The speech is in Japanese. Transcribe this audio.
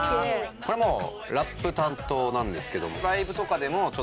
これもうラップ担当なんですけど。